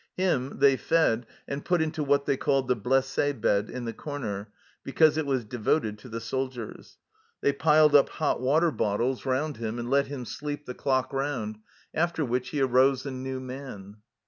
Him they fed and put into what they called the " blessd bed " in the corner, because it was devoted to the soldiers. They piled up hot water bottles 148 THE CELLAR HOUSE OF PERVYSE round him, and let him sleep the clock round, after which he arose a new man.